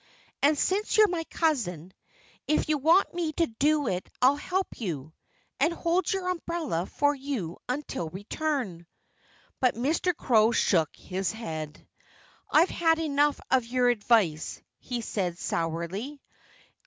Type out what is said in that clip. "And since you're my cousin, if you want me to do it I'll help you and hold your umbrella for you until you return." But Mr. Crow shook his head. "I've had enough of your advice," he said sourly.